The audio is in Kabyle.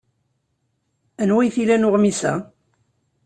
Anwa ay t-ilan uɣmis-a?